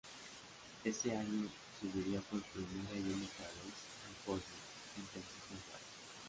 Ese año, subiría por primera y única vez al podio, en tercer lugar.